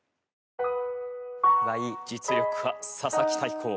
実力派佐々木大光。